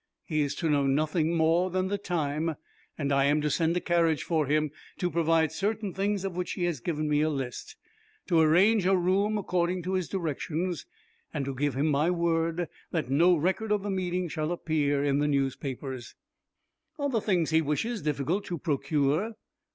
He is to know nothing more than the time. I am to send a carriage for him, to provide certain things of which he has given me a list, to arrange a room according to his directions, and to give him my word that no record of the meeting shall appear in the newspapers." "Are the things he wishes difficult to procure?"